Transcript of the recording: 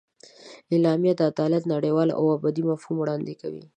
اعلامیه د عدالت نړیوال او ابدي مفهوم وړاندې کوي.